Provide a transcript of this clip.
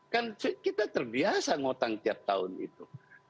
kan kita terbiasa ngutang tiap tahun itu